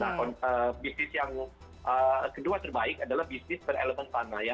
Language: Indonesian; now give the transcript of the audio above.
nah bisnis yang kedua terbaik adalah bisnis per elemen tanah ya